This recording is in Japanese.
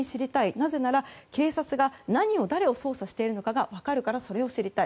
なぜなら警察が何を、誰を捜査しているかが分かるから、それを知りたい。